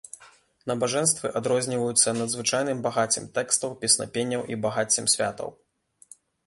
Набажэнствы адрозніваюцца надзвычайным багаццем тэкстаў, песнапенняў і багаццем святаў.